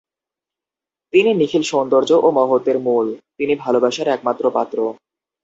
তিনি নিখিল সৌন্দর্য ও মহত্ত্বের মূল, তিনি ভালবাসার একমাত্র পাত্র।